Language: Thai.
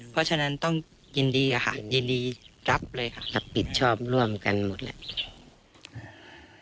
เพราะฉะนั้นต้องยินดีค่ะยินดีรับเลยค่ะรับผิดชอบร่วมกันหมดแหละ